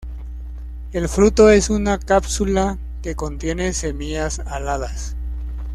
El fruto es una cápsula que contiene semillas aladas.